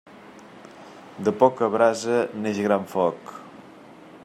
De poca brasa neix gran foc.